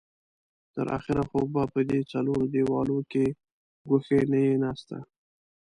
تر اخره خو به په دې څلورو دېوالو کې ګوښې نه يې ناسته.